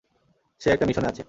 সে একটা মিশনে আছে।